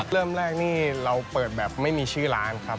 เริ่มแรกนี่เราเปิดแบบไม่มีชื่อร้านครับ